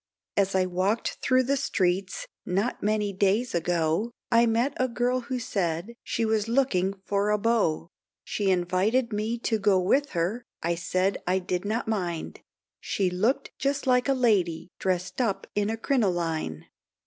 As I walked through the streets, not many days ago, I met a girl who said, she was looking for a beau, She invited me to go with her, I said I did not mind; She looked just like a lady, dressed up in a crinoline.